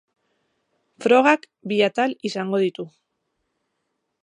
Frogak bi atal izango ditu.